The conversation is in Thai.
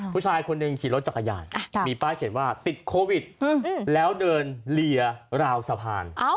ผู้ชายคนหนึ่งขี่รถจักรยานมีป้ายเขียนว่าติดโควิดแล้วเดินเลียราวสะพาน